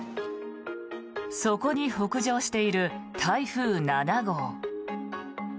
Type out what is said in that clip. そこに北上している台風７号。